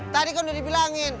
tadi kan udah dibilangin